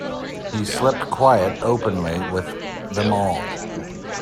He slept quite openly with them all.